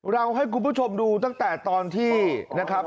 ให้คุณผู้ชมดูตั้งแต่ตอนที่นะครับ